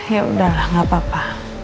yaudah gak apa apa